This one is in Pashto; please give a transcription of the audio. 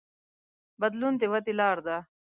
بدلون د ودې لار ده.